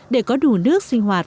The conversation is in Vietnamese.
để có đủ nước sinh hoạt